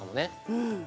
うん。